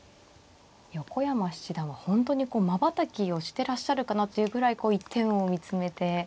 横山七段は本当にこうまばたきをしてらっしゃるかなというぐらいこう一点を見つめて。